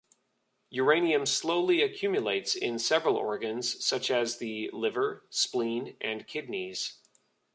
Uranium slowly accumulates in several organs, such as the liver, spleen, and kidneys.